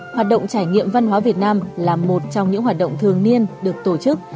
hoạt động trải nghiệm văn hóa việt nam là một trong những hoạt động thường niên được tổ chức